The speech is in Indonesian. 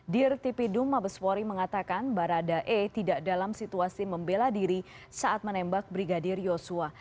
dirtipidum mabeswori mengatakan barada e tidak dalam situasi membela diri saat menembak brigadir yosua